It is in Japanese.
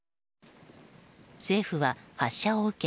政府は、発射を受け